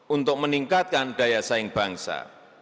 untuk meningkatkan daya saing bangsa